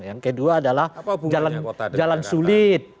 yang kedua adalah jalan sulit